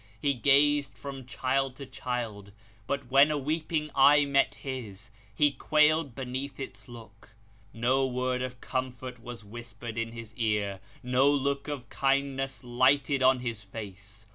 He gazed from child to child, but when a weeping eye met his, he quailed beneath its look. No word of comfort was whispered in his ear, no look of kindness lighted on his face.